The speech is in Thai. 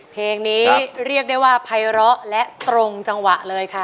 เพลงนี้เรียกได้ว่าภัยร้อและตรงจังหวะเลยค่ะ